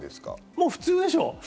もう普通でしょう。